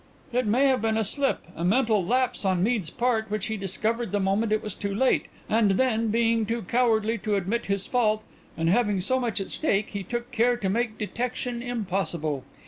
"It may have been a slip, a mental lapse on Mead's part which he discovered the moment it was too late, and then, being too cowardly to admit his fault, and having so much at stake, he took care to make detection impossible.